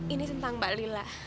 ini tentang mbak lila